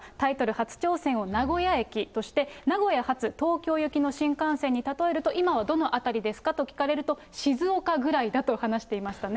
初挑戦を名古屋駅として、名古屋発東京行の新幹線に例えると、今はどの辺りですかと聞かれると、静岡ぐらいだと話していましたね。